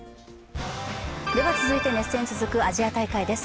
続いて、熱戦続くアジア大会です。